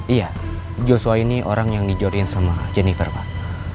iya joshua ini orang yang dijoriin sama jennifer pak